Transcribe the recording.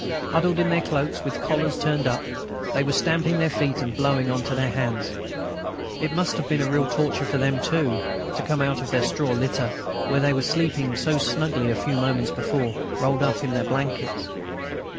Huddled in their cloaks, with collars turned up, they were stamping their feet and blowing into their hands. It must have been real torture for them too to come out of their straw litter, where they were sleeping so snugly a few moments before, rolled up in their blankets.